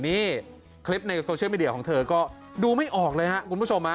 นี่คลิปในโซเชียลมีเดียของเธอก็ดูไม่ออกเลยครับคุณผู้ชม